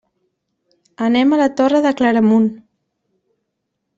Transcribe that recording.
Anem a la Torre de Claramunt.